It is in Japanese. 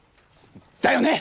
だよね！